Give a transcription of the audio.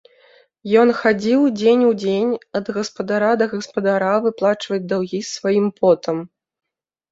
Ён хадзіў дзень у дзень ад гаспадара да гаспадара выплачваць даўгі сваім потам.